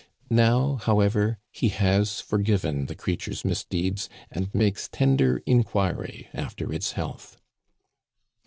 Now, however, he has for given the creature's misdeeds and makes tender inquiry after its health.